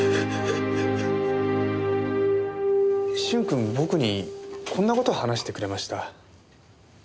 駿君僕にこんな事を話してくれました。